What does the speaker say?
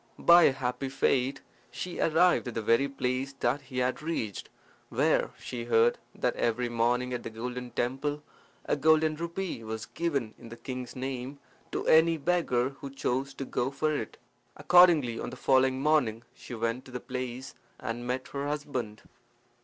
By a happy fate she arrived at the very place that he had reached, where she heard that every morning at the golden temple a golden rupee was given in the king's name to any beggar who chose to go for it. Accordingly, on the following morning she went to the place and met her husband.